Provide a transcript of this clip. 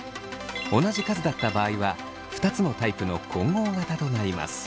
同じ数だった場合は２つのタイプの混合型となります。